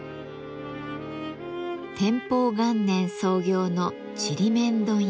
天保元年創業のちりめん問屋。